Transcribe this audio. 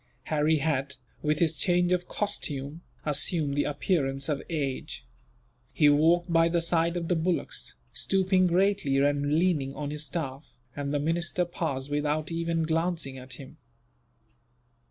Harry had, with his change of costume, assumed the appearance of age. He walked by the side of the bullocks, stooping greatly and leaning on his staff; and the minister passed without even glancing at him.